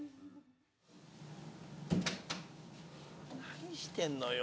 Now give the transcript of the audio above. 何してんのよ？